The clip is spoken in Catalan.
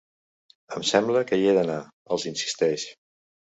Em sembla que hi he d’anar, els insisteix.